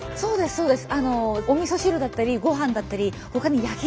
そうです。